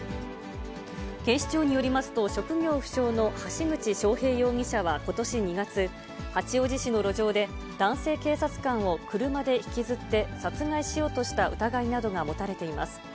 警視庁によりますと、職業不詳の橋口詳平容疑者はことし２月、八王子市の路上で男性警察官を車で引きずって殺害しようとした疑いなどが持たれています。